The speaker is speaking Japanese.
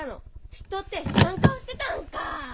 知っとって知らん顔してたんかあ。